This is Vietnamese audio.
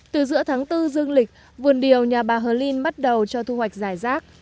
từ giữa tháng bốn dương lịch vườn điều nhà bà hờ ly nhiê cờ dăm bắt đầu cho thu hoạch giải rác